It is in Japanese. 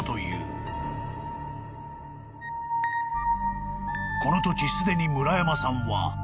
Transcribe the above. ［このときすでに村山さんは］